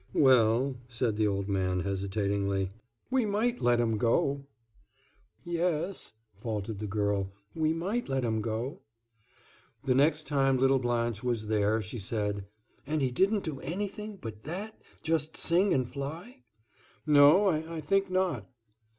"Well," said the old man, hesitatingly, "we might let him go." "Yes," faltered the child, "we might let him go." The next time little Blanche was there she said, "And he didn't do anything but that, just sing and fly?" "No, I think not."